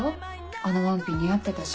あのワンピ似合ってたし。